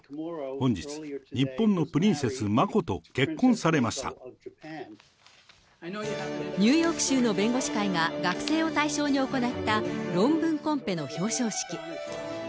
本日、日本のプリンセス・マコとニューヨーク州の弁護士会が学生を対象に行った、論文コンペの表彰式。